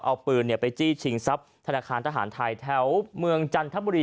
เอาปืนไปจี้ชิงทรัพย์ธนาคารทหารไทยแถวเมืองจันทบุรี